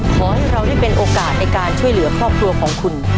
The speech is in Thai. ขอให้เราได้เป็นโอกาสในการช่วยเหลือครอบครัวของคุณ